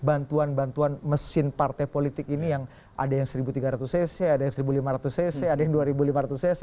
bantuan bantuan mesin partai politik ini yang ada yang seribu tiga ratus cc ada yang seribu lima ratus cc ada yang dua ribu lima ratus cc